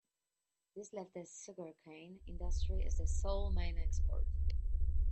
This left the sugarcane industry as the sole main export.